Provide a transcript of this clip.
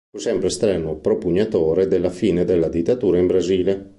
Fu sempre strenuo propugnatore della fine della dittatura in Brasile.